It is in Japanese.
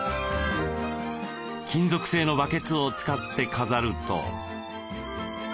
金属製のバケツを使って飾ると。